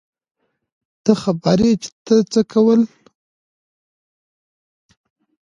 ته خبر يې چې څه يې کول.